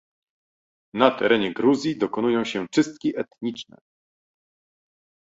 Na ternie Gruzji dokonują się czystki etniczne